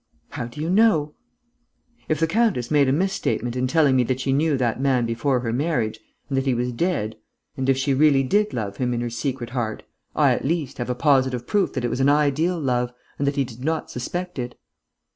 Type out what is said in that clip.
"How do you know?" "If the countess made a misstatement in telling me that she knew that man before her marriage and that he was dead and if she really did love him in her secret heart, I, at least, have a positive proof that it was an ideal love and that he did not suspect it."